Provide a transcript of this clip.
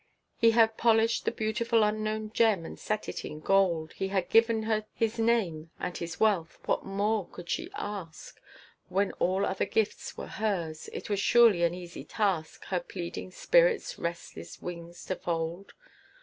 He had polished the beautiful unknown gem and set it in gold, He had given her his name and his wealth, what more could she ask? When all other gifts were hers, it were surely an easy task Her pleading spirit's restless wings to fold.